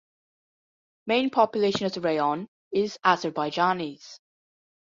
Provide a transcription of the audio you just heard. Main population of the raion is Azerbaijanis.